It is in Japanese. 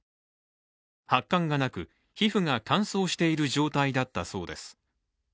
発汗がなく、皮膚が乾燥している状態だったそうです。